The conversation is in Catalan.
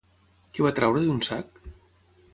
Què va treure d'un sac?